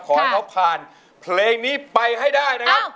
ขอให้เขาผ่านเพลงนี้ไปให้ได้นะครับ